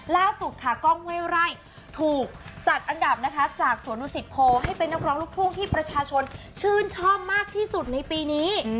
ล่าสุดค่ะกล้องห้วยไร่ถูกจัดอันดับนะคะจากสวนดุสิตโพให้เป็นนักร้องลูกทุ่งที่ประชาชนชื่นชอบมากที่สุดในปีนี้